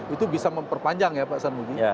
itu bisa memperpanjang ya pak san munggi